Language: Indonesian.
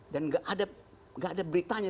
dan nggak ada beritanya